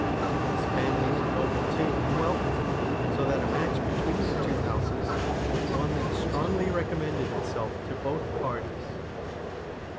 His family were noble, too, and wealthy, so that a match between the two houses was one that strongly recommended itself to both parties.